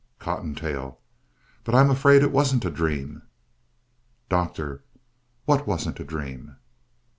COTTONTAIL But I'm afraid it wasn't a dream. DOCTOR What wasn't a dream?